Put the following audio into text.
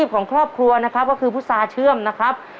ของครอบครัวนะครับก็คือพุษาเชื่อมนะครับ